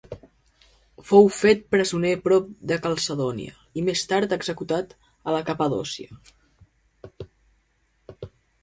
Fou fet presoner prop de Calcedònia i més tard executat a la Capadòcia.